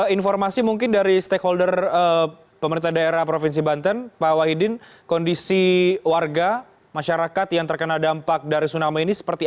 informasi mungkin dari stakeholder pemerintah daerah provinsi banten pak wahidin kondisi warga masyarakat yang terkena dampak dan kondisi kondisi kondisi